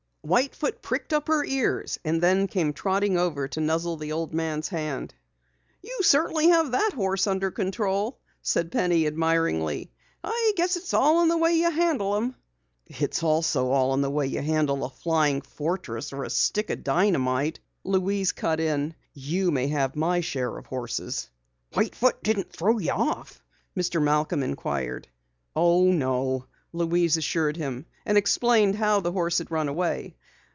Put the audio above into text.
White Foot pricked up her ears and then came trotting over to nuzzle the old man's hand. "You certainly have that horse under control," said Penny admiringly. "I guess it's all in the way you handle 'em." "It's also all in the way you handle a Flying Fortress or a stick of dynamite," Louise cut in. "You may have my share of horses!" "White Foot didn't throw you off?" Mr. Malcom inquired. "Oh, no," Louise assured him, and explained how the horse had run away.